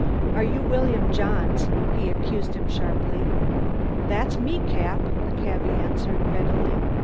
"You are William Johns?" he accused him sharply. "That's me, Cap," the cabby answered readily.